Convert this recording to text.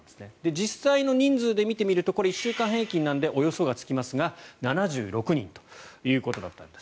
実際の人数で見ると１週間平均なのでおよそがつきますが７６人ということだったんです。